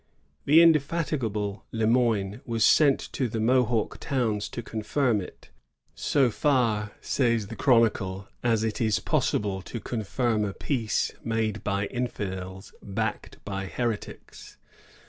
The indefatigable Le Moyne was sent to the Mohawk towns to confirm it, ^^80 far," says the chronicle, ^* as it is possible to con firm a peace made by infidels backed by heretics."